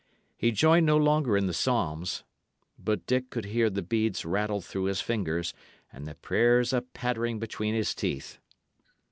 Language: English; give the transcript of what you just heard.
He joined no longer in the psalms; but Dick could hear the beads rattle through his fingers and the prayers a pattering between his teeth.